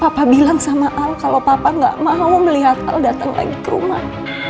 papa bilang sama al kalau papa gak mau melihat al datang lagi ke rumah